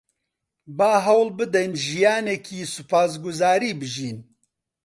با هەوڵ بدەین ژیانێکی سوپاسگوزاری بژین.